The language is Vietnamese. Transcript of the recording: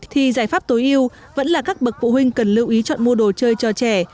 thì giải pháp tối yêu vẫn là các bậc phụ huynh cần lưu ý chọn mua đồ chơi cho trẻ